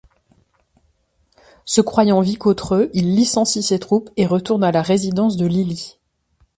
Se croyant vicotreux, il licencie ses troupes et retourne à la résidence de l'Ili.